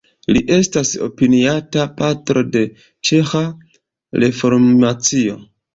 Li estas opiniata patro de ĉeĥa reformacio.